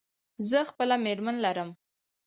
زه خپله مېرمن لرم.